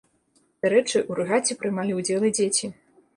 Дарэчы, у рэгаце прымалі ўдзел і дзеці.